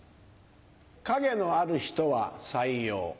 陰のある人は採用。